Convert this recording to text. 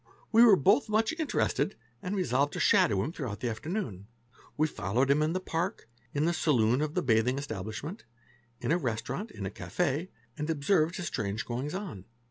We were both much inter — ested and resolved to shadow him throughout the afternoon. We fol — lowed him in the park, in the saloon of the bathing establishment, in a restaurant, in a café, and observed his strange goings on.